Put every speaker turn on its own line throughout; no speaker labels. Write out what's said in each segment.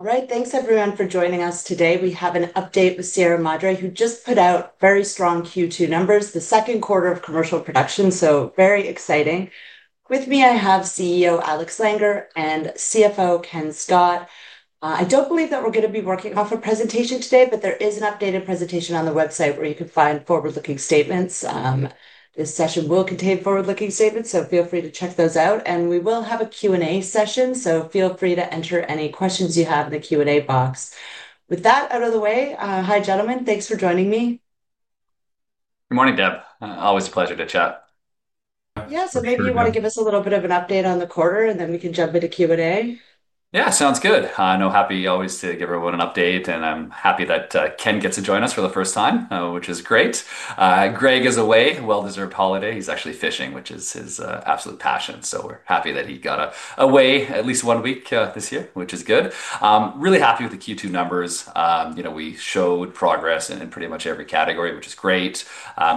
Alright, thanks everyone for joining us today. We have an update with Sierra Madre, who just put out very strong Q2 numbers, the Second Quarter of Commercial Production, so very exciting. With me, I have CEO Alex Langer and CFO Ken Scott. I don't believe that we're going to be working off a presentation today, but there is an updated presentation on the website where you can find forward-looking statements. This session will contain forward-looking statements, so feel free to check those out. We will have a Q&A session, so feel free to enter any questions you have in the Q&A box. With that out of the way, hi gentlemen, thanks for joining me.
Good morning, Deb. Always a pleasure to chat.
Maybe you want to give us a little bit of an update on the quarter, and then we can jump into Q&A?
Yeah, sounds good. No, happy always to give everyone an update, and I'm happy that Ken gets to join us for the first time, which is great. Greg is away, well-deserved holiday. He's actually fishing, which is his absolute passion, so we're happy that he got away at least one week this year, which is good. Really happy with the Q2 numbers. You know, we showed progress in pretty much every category, which is great.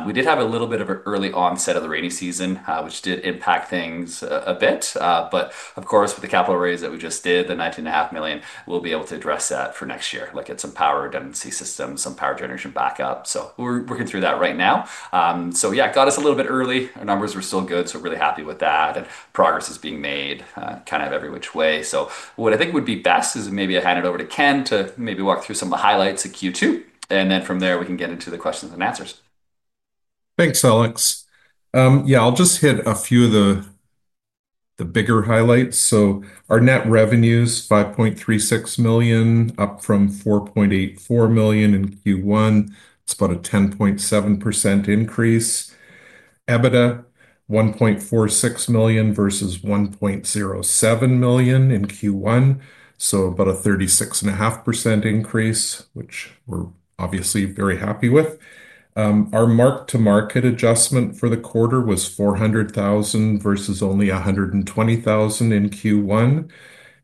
We did have a little bit of an early onset of the rainy season, which did impact things a bit, but of course, with the capital raise that we just did, the $19.5 million, we'll be able to address that for next year, like get some power redundancy systems, some power generation backup. We're working through that right now. It got us a little bit early. Our numbers were still good, so really happy with that. That progress is being made kind of every which way. What I think would be best is maybe I hand it over to Ken to maybe walk through some of the highlights of Q2, and then from there we can get into the questions and answers.
Thanks, Alex. Yeah, I'll just hit a few of the bigger highlights. Our net revenues, $5.36 million, up from $4.84 million in Q1. It's about a 10.7% increase. EBITDA, $1.46 million versus $1.07 million in Q1, so about a 36.5% increase, which we're obviously very happy with. Our MTM for the quarter was $400,000 versus only $120,000 in Q1,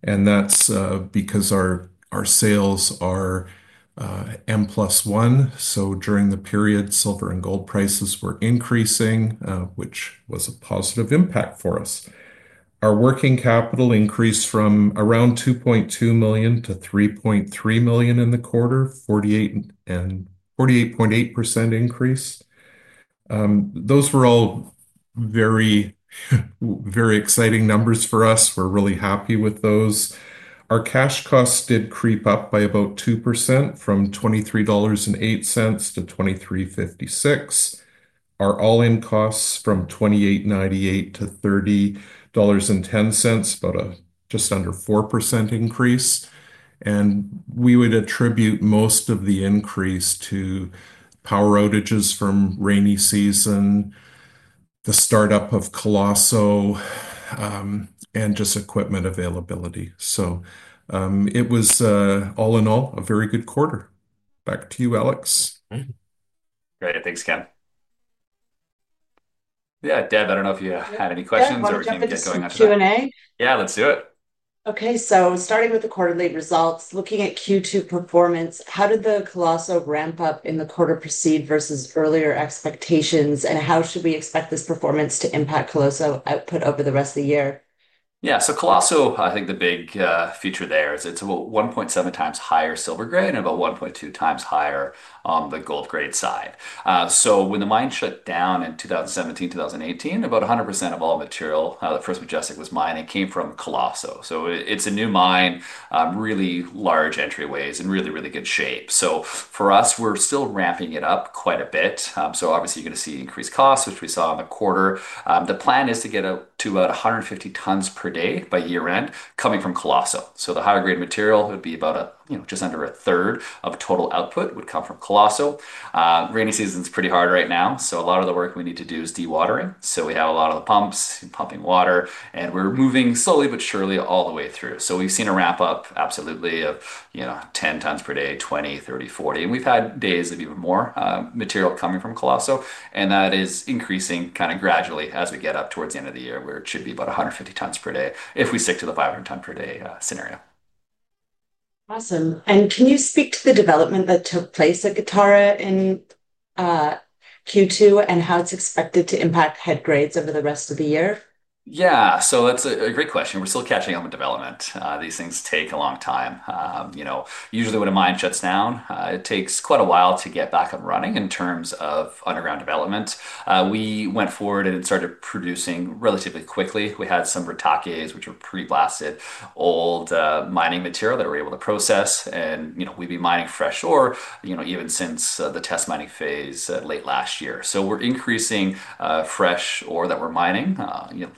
and that's because our sales are M+1. During the period, silver and gold prices were increasing, which was a positive impact for us. Our working capital increased from around $2.2 million-$3.3 million in the quarter, a 48.8% increase. Those were all very, very exciting numbers for us. We're really happy with those. Our cash costs did creep up by about 2% from $23.08-$23.56. Our all-in costs from $28.98-$30.10, just under a 4% increase. We would attribute most of the increase to power outages from rainy season, the startup of Coloso, and just equipment availability. It was all in all a very good quarter. Back to you, Alex.
Great, thanks Ken. Yeah, Deborah, I don't know if you have any questions or we can get going after that.
Q&A?
Yeah, let's do it.
Okay, so starting with the quarterly results, looking at Q2 performance, how did the Coloso ramp-up in the quarter proceed versus earlier expectations, and how should we expect this performance to impact Coloso output over the rest of the year?
Yeah, so Coloso, I think the big feature there is it's about 1.7x higher silver grade and about 1.2x higher on the gold grade side. When the mine shut down in 2017, 2018, about 100% of all material that First Majestic was mining came from Coloso. It's a new mine, really large entryways and really, really good shape. For us, we're still ramping it up quite a bit. Obviously, you're going to see increased costs, which we saw in the quarter. The plan is to get to about 150 tons per day by year end coming from Coloso. The higher grade material would be about just under 1/3 of total output would come from Coloso. Rainy season is pretty hard right now, so a lot of the work we need to do is dewatering. We have a lot of the pumps pumping water, and we're moving slowly but surely all the way through. We've seen a ramp up absolutely of, you know, 10 tons per day, 20, 30, 40 tons per day, and we've had days of even more material coming from Coloso, and that is increasing kind of gradually as we get up towards the end of the year where it should be about 150 tons per day if we stick to the 500 tons per day mill scenario.
Awesome. Can you speak to the development that took place at Guitarra in Q2 and how it's expected to impact head grades over the rest of the year?
Yeah, that's a great question. We're still catching on the development. These things take a long time. You know, usually when a mine shuts down, it takes quite a while to get back up and running in terms of underground development. We went forward and started producing relatively quickly. We had some ratakes, which were pre-blasted old mining material that we were able to process, and we'd be mining fresh ore, even since the test mining phase late last year. We're increasing fresh ore that we're mining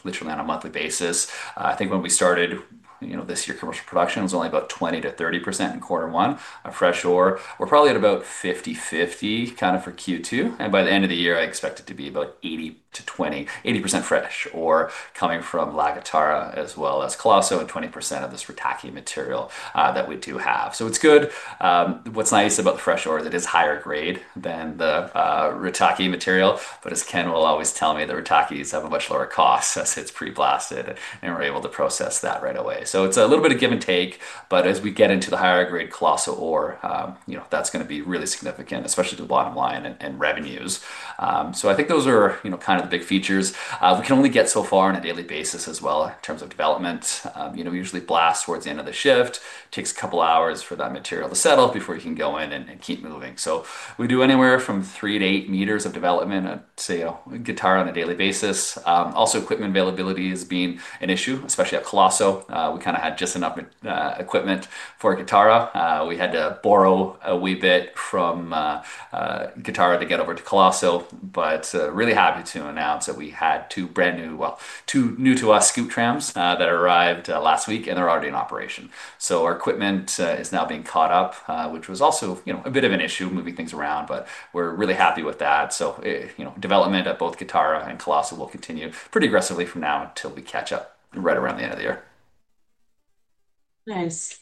literally on a monthly basis. I think when we started this year, commercial production was only about 20%-30% in quarter one of fresh ore. We're probably at about 50/50 for Q2, and by the end of the year, I expect it to be about 80/20, 80% fresh ore coming from La Guitarra as well as Coloso and 20% of this ratake material that we do have. It's good. What's nice about the fresh ore is it is higher grade than the ratake material, but as Ken will always tell me, the ratakes have a much lower cost since it's pre-blasted and we're able to process that right away. It's a little bit of give and take, but as we get into the higher grade Coloso ore, that's going to be really significant, especially to the bottom line and revenues. I think those are kind of the big features. We can only get so far on a daily basis as well in terms of development. We usually blast towards the end of the shift. It takes a couple hours for that material to settle before you can go in and keep moving. We do anywhere from three to eight meters of development, I'd say, at Guitarra on a daily basis. Also, equipment availability has been an issue, especially at Coloso. We kind of had just enough equipment for Guitarra. We had to borrow a wee bit from Guitarra to get over to Coloso, but really happy to announce that we had two brand new, well, two new to us scoop trams that arrived last week and are already in operation. Our equipment is now being caught up, which was also a bit of an issue moving things around, but we're really happy with that. Development at both Guitarra and Coloso will continue pretty aggressively from now until we catch up right around the end of the year.
Nice.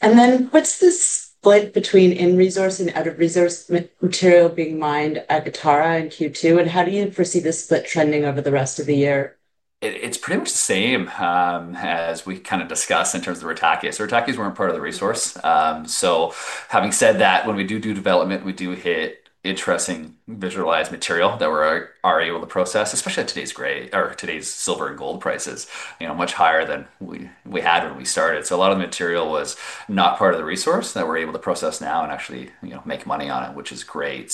What's the split between in-resource and out-of-resource material being mined at Guitarra in Q2, and how do you foresee this split trending over the rest of the year?
It's pretty much the same, as we kind of discussed in terms of ratakes. Ratakes weren't part of the resource. Having said that, when we do do development, we do hit interesting visualized material that we're already able to process, especially at today's grade, or today's silver and gold prices, much higher than we had when we started. A lot of material was not part of the resource that we're able to process now and actually, you know, make money on it, which is great.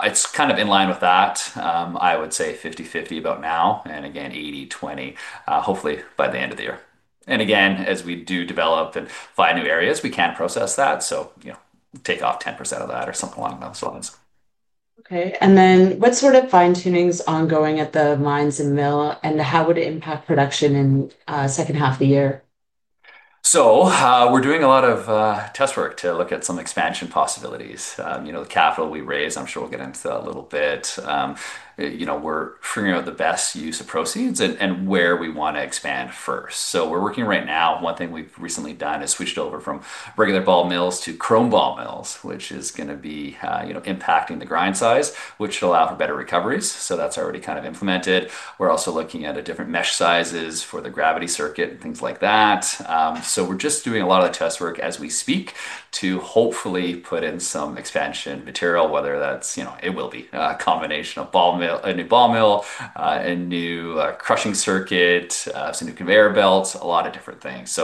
It's kind of in line with that. I would say 50/50 about now and again 80/20, hopefully by the end of the year. As we do develop and find new areas, we can process that. Take off 10% of that or something along those lines.
Okay. What sort of fine-tuning is ongoing at the mines and mill, and how would it impact production in the second half of the year?
We're doing a lot of test work to look at some expansion possibilities. The capital we raised, I'm sure we'll get into that a little bit. We're figuring out the best use of proceeds and where we want to expand first. We're working right now. One thing we've recently done is switched over from regular ball mills to chrome ball mills, which is going to be impacting the grind size, which will allow for better recoveries. That's already kind of implemented. We're also looking at different mesh sizes for the gravity circuit and things like that. We're just doing a lot of the test work as we speak to hopefully put in some expansion material, whether that's a combination of a new ball mill, a new crushing circuit, significant air belts, a lot of different things.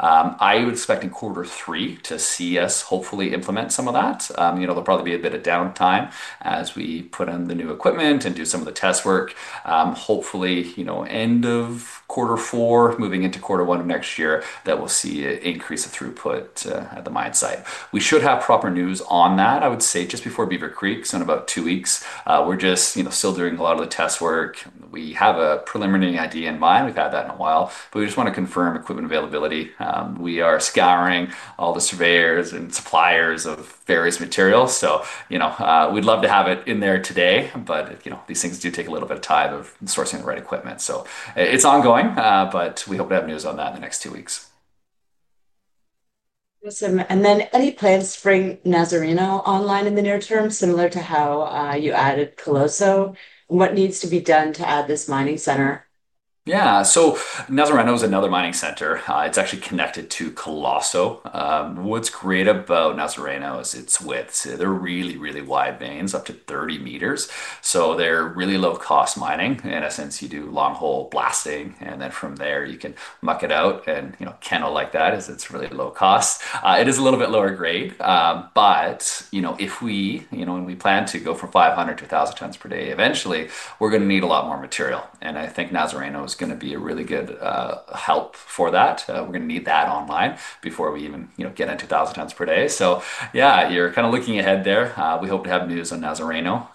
I would expect in quarter three to see us hopefully implement some of that. There'll probably be a bit of downtime as we put in the new equipment and do some of the test work. Hopefully, end of quarter four, moving into quarter one of next year, we'll see an increase of throughput at the mine site. We should have proper news on that, I would say, just before Beaver Creek in about two weeks. We're still doing a lot of the test work. We have a preliminary idea in mind. We've had that in a while, but we just want to confirm equipment availability. We are scouring all the surveyors and suppliers of various materials. We'd love to have it in there today, but these things do take a little bit of time of sourcing the right equipment. It's ongoing, but we hope to have news on that in the next two weeks.
Awesome. Any plans to bring Nazareno online in the near term, similar to how you added Coloso? What needs to be done to add this mining center?
Yeah, Nazareno is another mining center. It's actually connected to Coloso. What's great about Nazareno is its width. They're really, really wide mains, up to 30 m, so they're really low-cost mining. In essence, you do long-haul blasting, and then from there you can muck it out and, you know, kennel like that, as it's really low cost. It is a little bit lower grade, but, you know, when we plan to go from 500-1,000 tons per day, eventually we're going to need a lot more material. I think Nazareno is going to be a really good help for that. We're going to need that online before we even get into 1,000 tons per day. You're kind of looking ahead there. We hope to have news on Nazareno.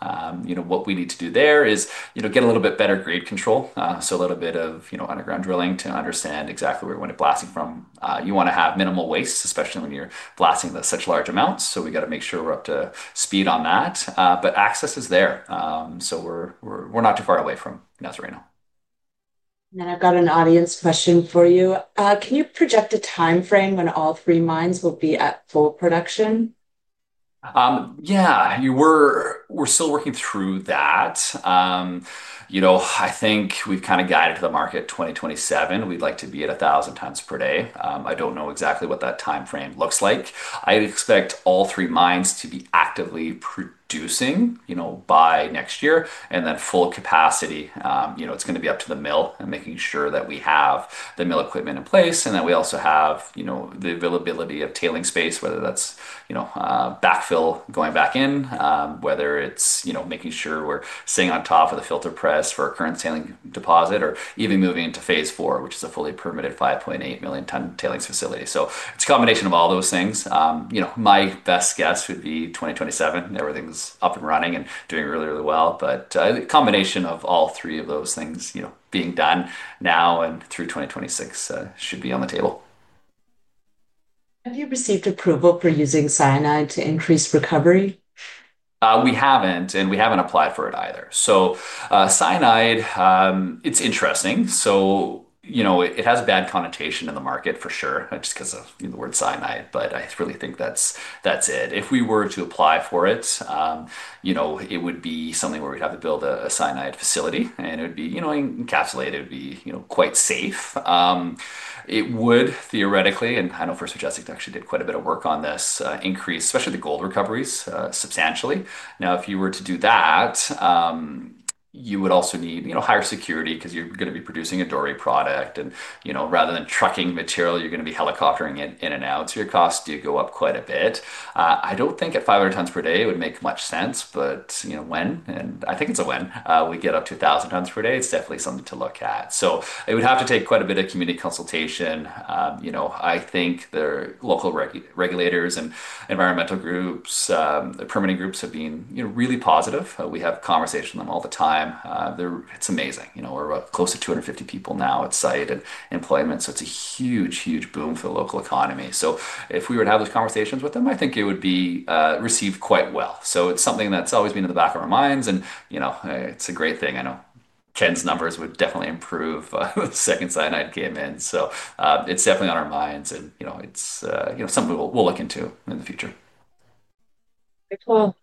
What we need to do there is get a little bit better grade control, so a little bit of underground drilling to understand exactly where we want to blast it from. You want to have minimal waste, especially when you're blasting such large amounts. We got to make sure we're up to speed on that. Access is there, so we're not too far away from Nazareno.
I have an audience question for you. Can you project a timeframe when all three mines will be at full production?
Yeah, we're still working through that. I think we've kind of guided to the market 2027. We'd like to be at a 1000 tons per day. I don't know exactly what that timeframe looks like. I expect all three mines to be actively producing by next year and then full capacity. It's going to be up to the mill and making sure that we have the mill equipment in place and that we also have the availability of tailing space, whether that's backfill going back in, making sure we're staying on top of the filter press for our current tailing deposit, or even moving into phase four, which is a fully permitted 5.8 million ton tailings facility. It's a combination of all those things. My best guess would be 2027. Everything's up and running and doing really, really well, but a combination of all three of those things being done now and through 2026 should be on the table.
Have you received approval for using cyanide to increase recovery?
We haven't, and we haven't applied for it either. Cyanide, it's interesting. It has a bad connotation in the market for sure, just because of the word cyanide, but I really think that's it. If we were to apply for it, it would be something where we'd have to build a cyanide facility, and it would be encapsulated. It would be quite safe. It would theoretically, and I know First Majestic actually did quite a bit of work on this, increase especially the gold recoveries substantially. If you were to do that, you would also need higher security because you're going to be producing a dory product, and rather than trucking material, you're going to be helicoptering it in and out, so your costs do go up quite a bit. I don't think at 500 tons per day it would make much sense, but when, and I think it's a when, we get up to 1,000 tons per day, it's definitely something to look at. It would have to take quite a bit of community consultation. I think the local regulators and environmental groups, the permitting groups have been really positive. We have conversations with them all the time. It's amazing. We're up close to 250 people now at site and employment, so it's a huge, huge boom for the local economy. If we were to have those conversations with them, I think it would be received quite well. It's something that's always been in the back of our minds, and it's a great thing. I know Ken Scott's numbers would definitely improve the second cyanide came in. It's definitely on our minds, and it's something we'll look into in the future.
Cool.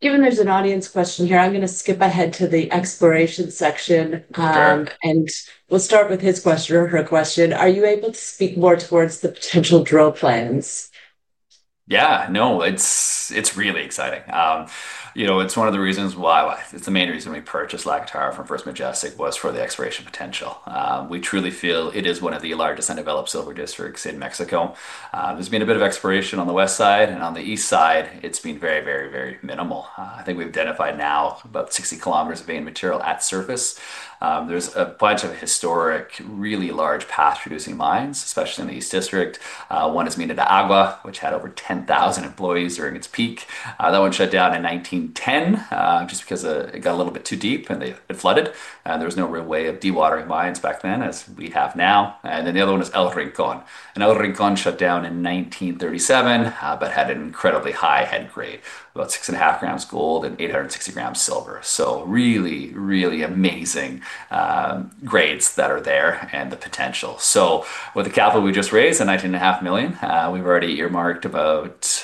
Given that there's an audience question here. I'm going to skip ahead to the exploration section, and we'll start with his question or her question. Are you able to speak more towards the potential drill plans?
Yeah, no, it's really exciting. You know, it's one of the reasons why, it's the main reason we purchased La Guitarra from First Majestic was for the exploration potential. We truly feel it is one of the largest undeveloped silver districts in Mexico. There's been a bit of exploration on the west side, and on the east side, it's been very, very, very minimal. I think we've identified now about 60 km of main material at surface. There's a bunch of historic, really large past-producing mines, especially in the east district. One is Mina de Água, which had over 10,000 employees during its peak. That one shut down in 1910 just because it got a little bit too deep and it flooded. There was no real way of dewatering mines back then as we have now. The other one is El Rincón. El Rincón shut down in 1937, but had an incredibly high head grade, about 6.5 g gold and 860 g silver. Really, really amazing grades that are there and the potential. With the capital we just raised at $19.5 million, we've already earmarked about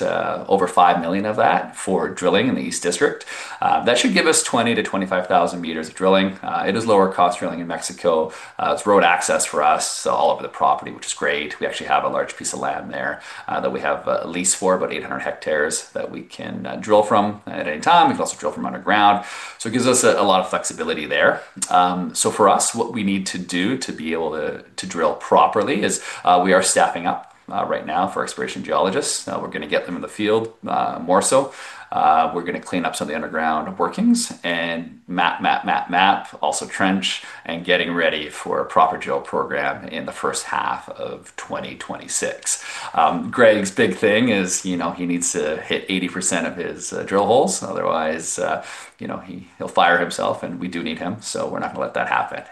over $5 million of that for drilling in the east district. That should give us 20,000-25,000 m of drilling. It is lower cost drilling in Mexico. It's road access for us all over the property, which is great. We actually have a large piece of land there that we have leased for about 800 hectares that we can drill from at any time. We've also drilled from underground. It gives us a lot of flexibility there. For us, what we need to do to be able to drill properly is we are staffing up right now for exploration geologists. We're going to get them in the field more so. We're going to clean up some of the underground workings and map, map, map, map, map, also trench, and getting ready for a proper drill program in the first half of 2026. Greg's big thing is, you know, he needs to hit 80% of his drill holes. Otherwise, you know, he'll fire himself and we do need him. We're not going to let that happen.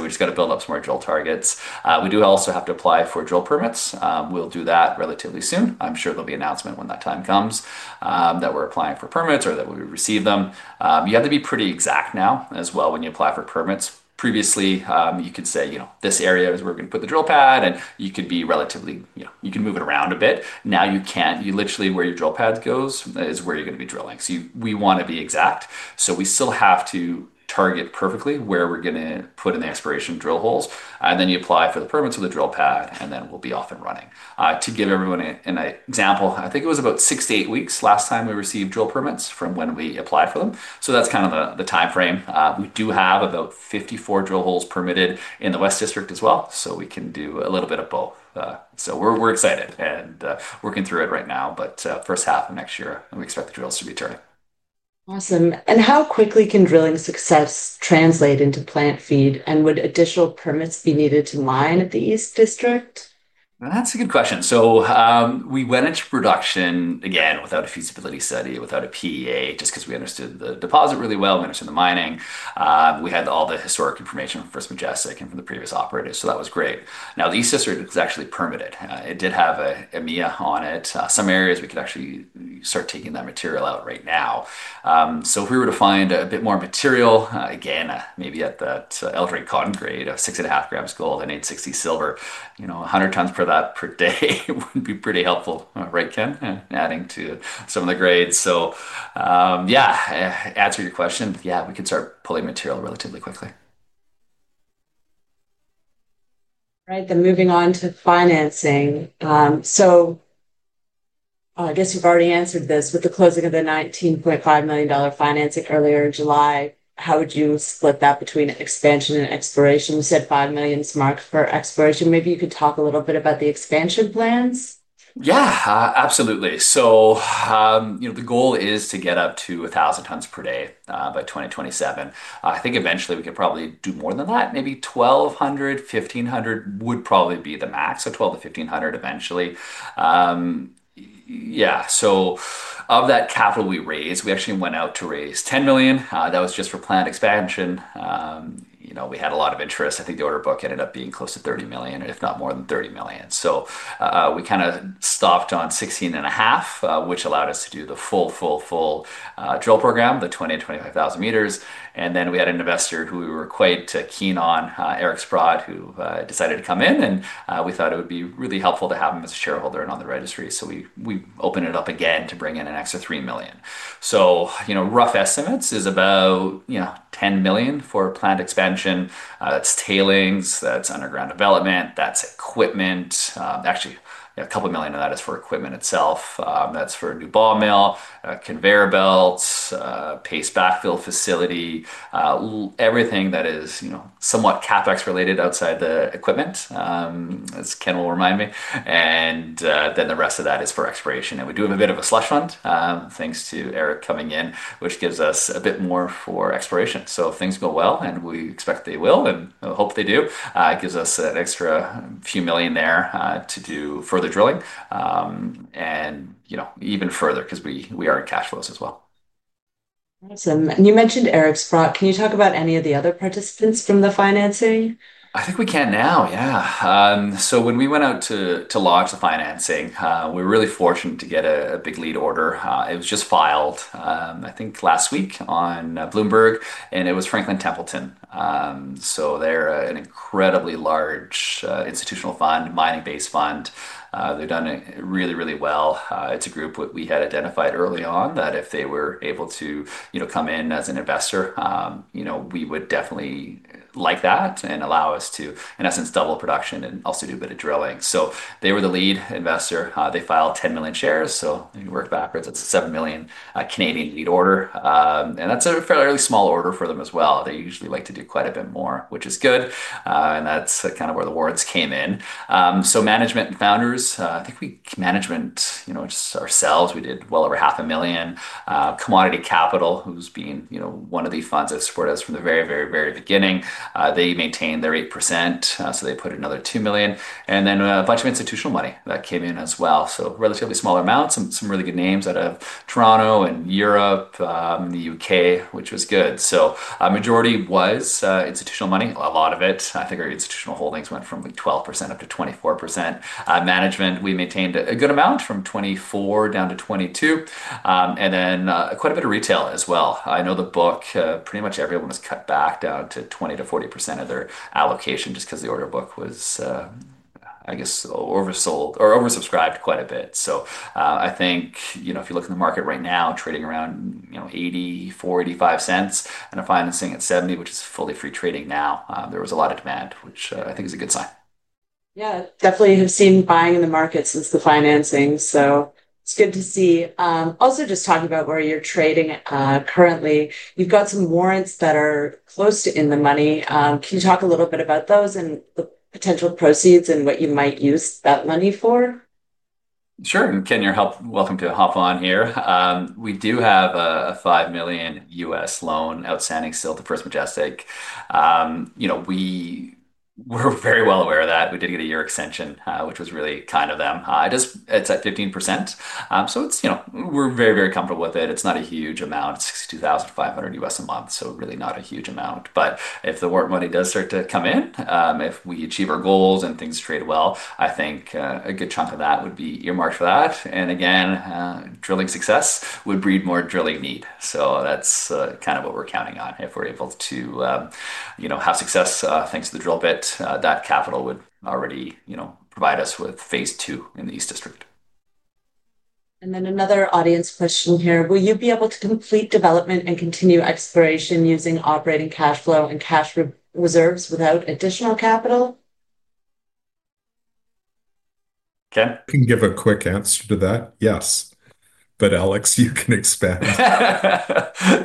We just got to build up some more drill targets. We do also have to apply for drill permits. We'll do that relatively soon. I'm sure there'll be an announcement when that time comes that we're applying for permits or that we receive them. You have to be pretty exact now as well when you apply for permits. Previously, you could say, you know, this area is where we're going to put the drill pad, and you could be relatively, you know, you can move it around a bit. Now you can't. You literally, where your drill pad goes is where you're going to be drilling. We want to be exact. We still have to target perfectly where we're going to put in the aspiration drill holes. You apply for the permits of the drill pad, and then we'll be off and running. To give everyone an example, I think it was about six to eight weeks last time we received drill permits from when we applied for them. That's kind of the timeframe. We do have about 54 drill holes permitted in the west district as well, so we can do a little bit of both. We're excited and working through it right now. First half of next year, we expect the drills to be turning.
Awesome. How quickly can drilling success translate into plant feed, and would additional permits be needed to mine at the east district?
That's a good question. We went into production again without a feasibility study, without a PEA, just because we understood the deposit really well. We understood the mining. We had all the historic information from First Majestic and from the previous operators. That was great. Now the east district is actually permitted. It did have a MIA on it. Some areas we could actually start taking that material out right now. If we were to find a bit more material, maybe at that El Rincón grade of 6.5 g gold and 8.60 g silver, 100 tons per day would be pretty helpful, right, Ken, adding to some of the grades. To answer your question, we could start pulling material relatively quickly.
Right, then moving on to financing. I guess you've already answered this with the closing of the $19.5 million financing earlier in July. How would you split that between expansion and exploration? You said $5 million is marked for exploration. Maybe you could talk a little bit about the expansion plans.
Yeah, absolutely. The goal is to get up to 1,000 tons per day by 2027. I think eventually we could probably do more than that. Maybe 1,200, 1,500 tons per day would probably be the max. 1,200-1,500 tons per day eventually. Of that capital we raised, we actually went out to raise $10 million. That was just for planned expansion. We had a lot of interest. I think the order book ended up being close to $30 million, if not more than $30 million. We kind of stopped on $16.5 million, which allowed us to do the full, full, full drill program, the 20,000-25,000 m. We had an investor who we were quite keen on, Eric Sprott, who decided to come in, and we thought it would be really helpful to have him as a shareholder and on the registry. We opened it up again to bring in an extra $3 million. Rough estimates is about $10 million for planned expansion. That's tailings, that's underground development, that's equipment. Actually, a couple million of that is for equipment itself. That's for a new ball mill, conveyor belts, paste backfill facility, everything that is somewhat CapEx related outside the equipment, as Ken will remind me. The rest of that is for exploration. We do have a bit of a slush fund, thanks to Eric coming in, which gives us a bit more for exploration. If things go well, and we expect they will, and hope they do, it gives us an extra few million there to do further drilling, even further because we are in cash flows as well.
Awesome. You mentioned Eric Sprott. Can you talk about any of the other participants from the financing?
I think we can now, yeah. When we went out to launch the financing, we were really fortunate to get a big lead order. It was just filed, I think last week on Bloomberg, and it was Franklin Templeton. They're an incredibly large institutional fund, mining-based fund. They've done it really, really well. It's a group we had identified early on that if they were able to, you know, come in as an investor, you know, we would definitely like that and allow us to, in essence, double production and also do a bit of drilling. They were the lead investor. They filed 10 million shares, so we work backwards. It's a $7 million Canadian lead order. That's a fairly small order for them as well. They usually like to do quite a bit more, which is good. That's kind of where the awards came in. Management and founders, I think we, management, you know, just ourselves, we did well over half a million. Commodity Capital, who's been, you know, one of the funds that supported us from the very, very, very beginning, they maintained their 8%. They put in another $2 million. Then a bunch of institutional money that came in as well. Relatively small amounts, some really good names out of Toronto and Europe, the U.K., which was good. A majority was institutional money. A lot of it, I think our institutional holdings went from like 12% up to 24%. Management, we maintained a good amount from 24% down to 22%. Then quite a bit of retail as well. I know the book, pretty much everyone has cut back down to 20%-40% of their allocation just because the order book was, I guess, oversold or oversubscribed quite a bit. I think, you know, if you look in the market right now, trading around $0.84-$0.85 and a financing at $0.70, which is fully free trading now, there was a lot of demand, which I think is a good sign.
Yeah, definitely have seen buying in the market since the financing. It's good to see. Also, just talking about where you're trading currently, you've got some warrants that are close to in the money. Can you talk a little bit about those and the potential proceeds and what you might use that money for?
Sure, and Ken, you're welcome to hop on here. We do have a $5 million loan outstanding still to First Majestic. You know, we were very well aware of that. We did get a year extension, which was really kind of them. It's at 15%. It's, you know, we're very, very comfortable with it. It's not a huge amount. It's $62,500 a month, so really not a huge amount. If the warrant money does start to come in, if we achieve our goals and things trade well, I think a good chunk of that would be earmarked for that. Again, drilling success would breed more drilling need. That's kind of what we're counting on. If we're able to have success thanks to the drill bit, that capital would already provide us with phase two in the east district.
Another audience question here. Will you be able to complete development and continue exploration using operating cash flow and cash reserves without additional capital?
Ken?
Can you give a quick answer to that? Yes. Alex, you can expand.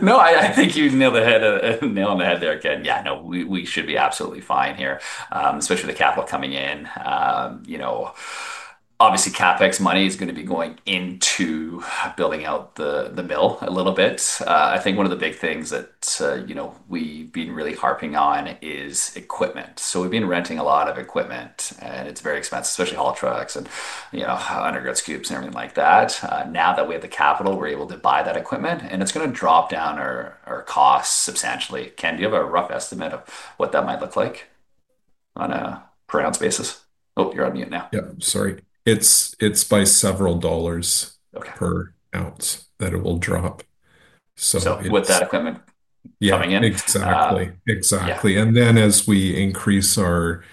No, I think you nailed it on the head there again. Yeah, no, we should be absolutely fine here, especially with the capital coming in. Obviously, CapEx money is going to be going into building out the mill a little bit. I think one of the big things that we've been really harping on is equipment. We've been renting a lot of equipment, and it's very expensive, especially haul trucks and underground scoops and everything like that. Now that we have the capital, we're able to buy that equipment, and it's going to drop down our costs substantially. Ken, do you have a rough estimate of what that might look like on a per-ounce basis? Oh, you're on mute now.
I'm sorry. It's by several dollars per ounce that it will drop.
With that equipment coming in?
Exactly, exactly. As we increase our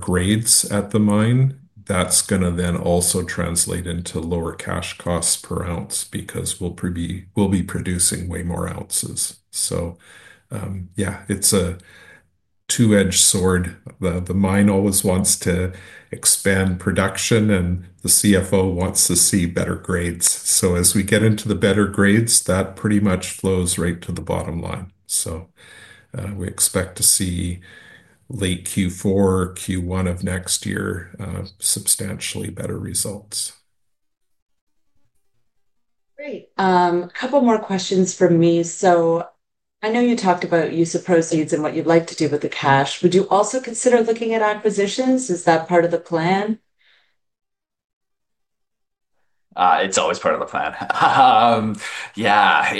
grades at the mine, that's going to then also translate into lower cash costs per ounce because we'll be producing way more ounces. It's a two-edged sword. The mine always wants to expand production, and the CFO wants to see better grades. As we get into the better grades, that pretty much flows right to the bottom line. We expect to see late Q4, Q1 of next year, substantially better results.
Great. A couple more questions from me. I know you talked about use of proceeds and what you'd like to do with the cash. Would you also consider looking at acquisitions? Is that part of the plan?
It's always part of the plan. Yeah,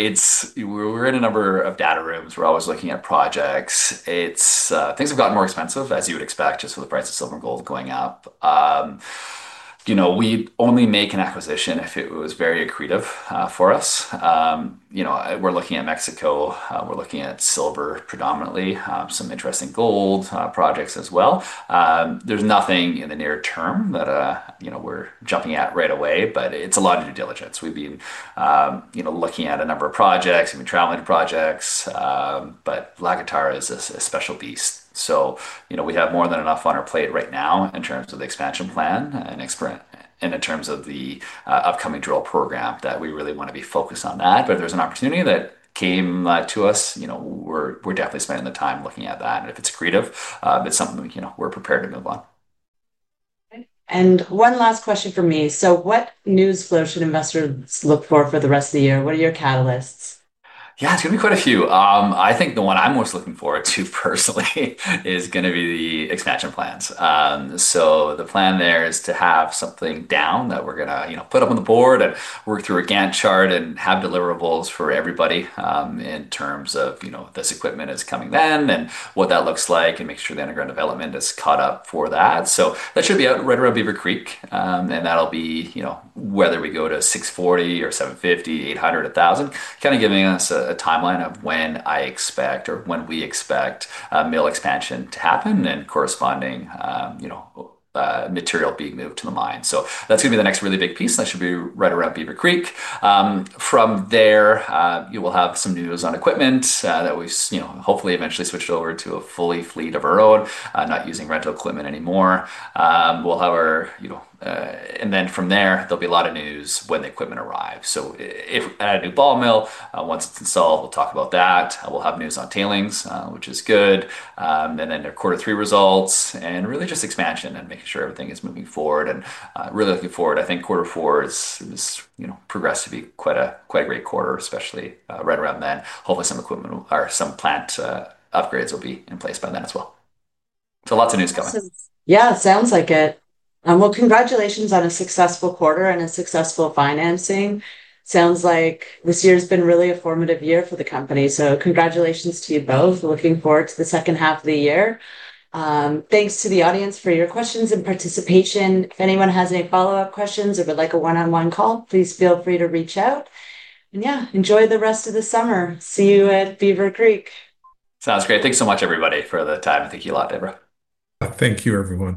we're in a number of data rooms. We're always looking at projects. Things have gotten more expensive, as you would expect, just with the price of silver and gold going up. We'd only make an acquisition if it was very accretive for us. We're looking at Mexico. We're looking at silver predominantly, some interesting gold projects as well. There's nothing in the near term that we're jumping at right away, but it's a lot of due diligence. We've been looking at a number of projects. We've been traveling to projects, but La Guitarra is a special beast. We have more than enough on our plate right now in terms of the expansion plan and in terms of the upcoming drill program that we really want to be focused on that. If there's an opportunity that came to us, we're definitely spending the time looking at that. If it's accretive, it's something that we're prepared to move on.
One last question for me. What news flow should investors look for for the rest of the year? What are your catalysts?
Yeah, it's going to be quite a few. I think the one I'm most looking forward to personally is going to be the expansion plans. The plan there is to have something down that we're going to put up on the board and work through a Gantt chart and have deliverables for everybody in terms of this equipment is coming then and what that looks like and make sure the underground development is caught up for that. That should be right around Beaver Creek. That'll be whether we go to 640 tons per day or 750, 800, 1,000 tons per day, kind of giving us a timeline of when I expect or when we expect mill expansion to happen and corresponding material being moved to the mine. That's going to be the next really big piece. That should be right around Beaver Creek. From there, you will have some news on equipment that we hopefully eventually switched over to a full fleet of our own, not using rental equipment anymore. We'll have our, and then from there, there'll be a lot of news when the equipment arrives. If we add a new ball mill, once it's installed, we'll talk about that. We'll have news on tailings, which is good. The quarter three results and really just expansion and making sure everything is moving forward and really looking forward. I think quarter four is progressed to be quite a great quarter, especially right around then. Hopefully, some equipment or some plant upgrades will be in place by then as well. Lots of news coming.
Sounds like it. Congratulations on a successful quarter and a successful financing. Sounds like this year's been really a formative year for the company. Congratulations to you both. We're looking forward to the second half of the year. Thanks to the audience for your questions and participation. If anyone has any follow-up questions or would like a one-on-one call, please feel free to reach out. Enjoy the rest of the summer. See you at Beaver Creek.
Sounds great. Thanks so much, everybody, for the time. Thank you a lot, Deborah.
Thank you, everyone.